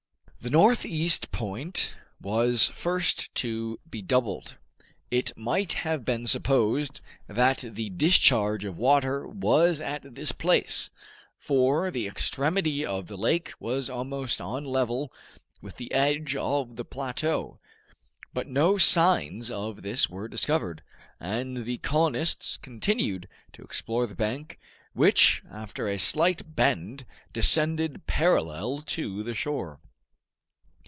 The northeast point was first to be doubled. It might have been supposed that the discharge of water was at this place, for the extremity of the lake was almost on a level with the edge of the plateau. But no signs of this were discovered, and the colonists continued to explore the bank, which, after a slight bend, descended parallel to the shore.